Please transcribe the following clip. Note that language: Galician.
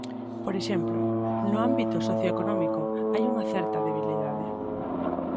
Por exemplo, no ámbito socioeconómico hai unha certa debilidade.